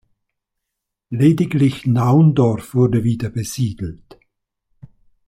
Lediglich Naundorf wurde wieder besiedelt.